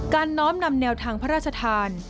น้อมนำแนวทางพระราชทาน